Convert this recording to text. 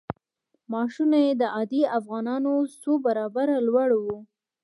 معاشونه یې د عادي افغانانو څو برابره لوړ وو.